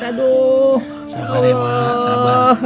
aduh pegang emak sakit